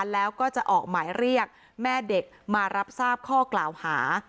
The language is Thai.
แล้วก็จะออกหมายเรียกแม่เด็กมารับทราบข้อกล่าวหา